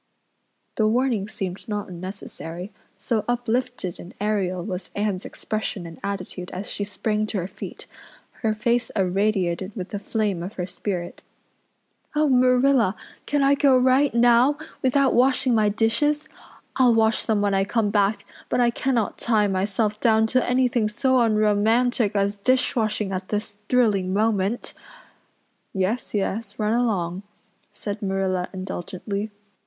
The warning seemed not unnecessary, so uplifted and aerial was Anne's expression and attitude as she sprang to her feet, her face irradiated with the flame of her spirit. "Oh, Marilla, can I go right now without washing my dishes? I'll wash them when I come back, but I cannot tie myself down to anything so unromantic as dishwashing at this thrilling moment." "Yes, yes, run along," said Marilla indulgently.